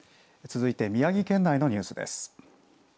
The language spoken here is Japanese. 続いて宮城県内のニュースです。